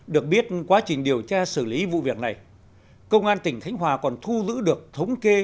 được biết quá trình điều tra xử lý vụ việc này công an tỉnh khánh hòa còn thu giữ được thống kê